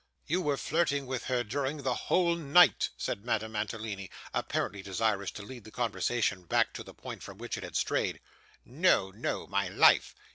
'You were flirting with her during the whole night,' said Madame Mantalini, apparently desirous to lead the conversation back to the point from which it had strayed. 'No, no, my life.